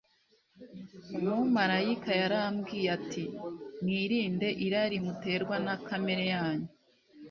umumarayika yarambwiye ati, mwirinde irari muterwa na kamere yanyu